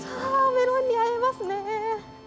メロンに会えますね。